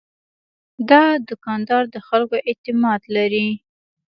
دا دوکاندار د خلکو اعتماد لري.